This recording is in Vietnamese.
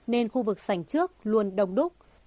nên khu vực sành trước luôn đông đúc